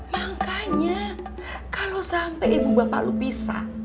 makanya kalau sampai ibu bapak lo pisah